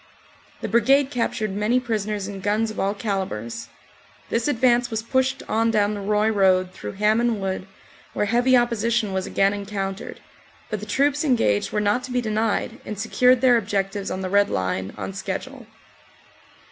The Brigade captured many prisoners and guns of all calibres. This advance was pushed on down the Roye road through Hamon Wood, where heavy opposition was again encountered, but the troops engaged were not to be denied and secured their objectives on the Red Line on schedule.